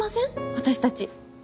私たち。